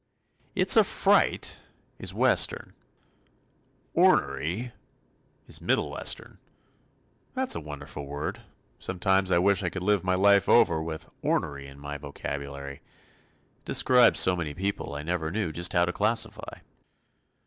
"It's a fright," is Western. "Ornery," is middle Western. That's a wonderful word. Sometimes, I wish I could live my life over with "ornery" in my vocabulary. It describes so many people I never knew just how to classify.